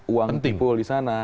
uang dipul di sana